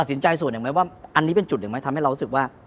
ตัดสินใจส่วนอย่างไรว่าอันนี้เป็นจุดอย่างไรทำให้เรารู้สึกว่า